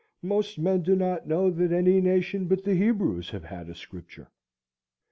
Most men do not know that any nation but the Hebrews have had a scripture.